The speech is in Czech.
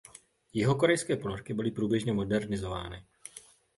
Jihokorejské ponorky byly průběžně modernizovány.